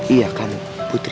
iya kamu putri